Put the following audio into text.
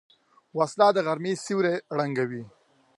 وسله د غرمې سیوری ړنګوي